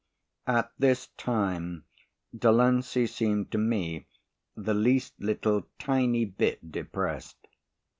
At this time Delancey seemed to me the least little tiny bit depressed.